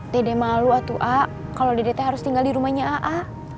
dede malu atu ah kalau dedete harus tinggal di rumahnya aa